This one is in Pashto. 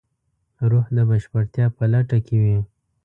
روح د بشپړتیا په لټه کې وي.